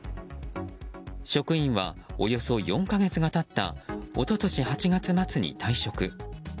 職員はおよそ４か月が経った一昨年８月末に退職。